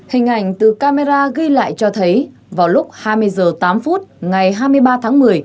hình ảnh từ camera ghi lại cho thấy vào lúc hai mươi h tám ngày hai mươi ba tháng một mươi